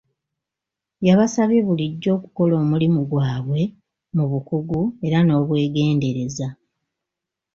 Yabasabye bulijjo okukola omulimu gwabwe mu bukugu era n'obwegendereza.